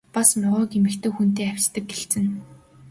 Бас могойг эмэгтэй хүнтэй хавьтдаг гэлцэнэ.